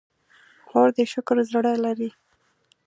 خور د شکر زړه لري.